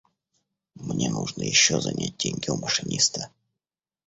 Мне нужно еще занять деньги у машиниста.